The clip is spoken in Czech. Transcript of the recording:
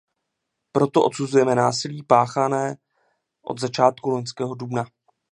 Proto odsuzujeme násilí páchané od začátku loňského dubna.